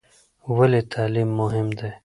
ولې تعلیم مهم دی؟